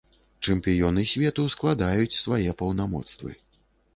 Чэмпіёны свету складаюць свае паўнамоцтвы.